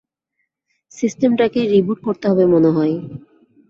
সিস্টেমটাকে রিবুট করতে হবে মনে হয়।